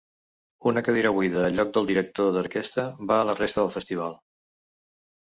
Una cadira buida al lloc del director d'orquestra va la resta del festival.